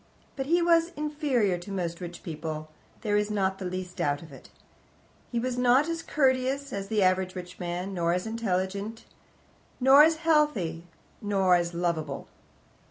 But he was inferior to most rich people, there is not the least doubt of it. He was not as courteous as the average rich man, nor as intelligent, nor as healthy, nor as lovable.